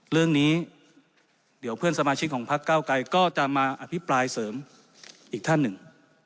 เรื่องนี้เดี๋ยวเพื่อนสมาชิกของพักเก้าไกรก็จะมาอภิปรายเสริมอีกท่านหนึ่ง